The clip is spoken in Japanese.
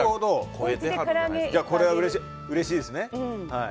じゃあ、これはうれしいですね。